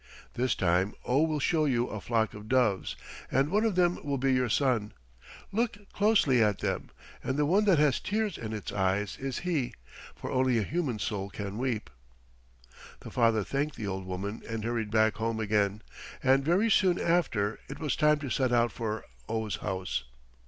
This time Oh will show you a flock of doves, and one of them will be your son. Look closely at them, and the one that has tears in its eyes is he, for only a human soul can weep." The father thanked the old woman and hurried back home again, and very soon after it was time to set out for Oh's house.